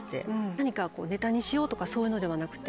何かネタにしようとかそういうのではなくて。